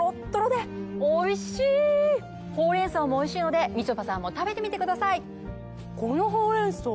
ほうれん草もおいしいのでみちょぱさんも食べてみてください。